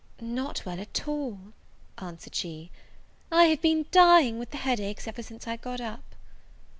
"Not well at all," answered she; "I have been dying with the head ache ever since I got up."